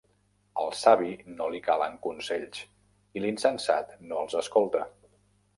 Al savi no li calen consells, i l'insensat no els escolta.